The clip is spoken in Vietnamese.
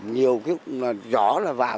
nhiều cái gió là vào